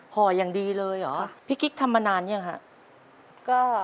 ห่ออย่างดีเลยเหรอพี่กิ๊กทำมานานยังฮะ